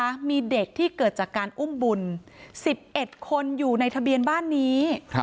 มีเด็กที่เกิดจากการอุ้มบุญ๑๑คนอยู่ในทะเบียนบ้านนี้